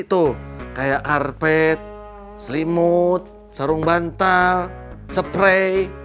itu kayak karpet selimut sarung bantal spray